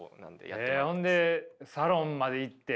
えほんでサロンまで行って。